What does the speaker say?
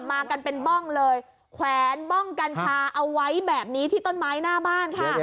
มากันเป็นบ้องเลยแขวนบ้องกัญชาเอาไว้แบบนี้ที่ต้นไม้หน้าบ้านค่ะ